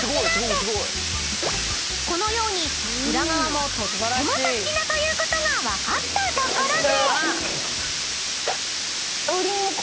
［このように裏側もとってもサスティな！ということが分かったところで］